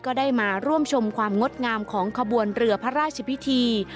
ก็ได้มาร่วมชมความงดงามของขบวนเรือพระราชพิธี